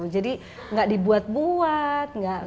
jadi gak dibuat buat